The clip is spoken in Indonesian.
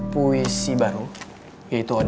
puisi baru yaitu ode